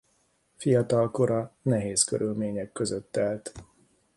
Fiatalkora nehéz körülmények között telt.